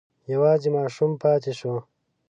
یوازې ماشوم پاتې شو.